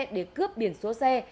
để cướp biển số xe